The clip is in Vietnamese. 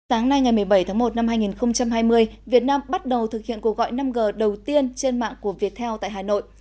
sáng nay ngày một mươi bảy tháng một năm hai nghìn hai mươi việt nam bắt đầu thực hiện cuộc gọi năm g đầu tiên trên mạng của viettel tại hà nội